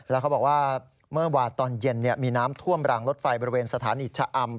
แล้วเขาบอกว่าเมื่อวานตอนเย็นมีน้ำท่วมรางรถไฟบริเวณสถานีชะอำ